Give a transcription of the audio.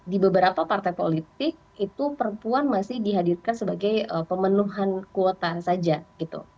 di beberapa partai politik itu perempuan masih dihadirkan sebagai pemenuhan kuota saja gitu